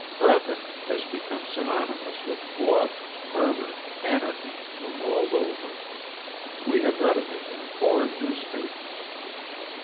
"Breathitt" has become synonymous with blood, murder, anarchy, the world over. We have read of it in foreign newspapers.